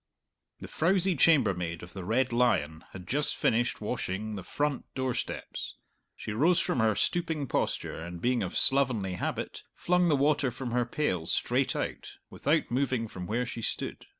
The frowsy chambermaid of the "Red Lion" had just finished washing the front door steps. She rose from her stooping posture and, being of slovenly habit, flung the water from her pail straight out, without moving from where she stood.